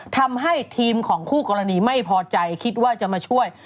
ทำให้ทีมของคู่กรณีไม่พอใจคิดว่าจะมาช่วย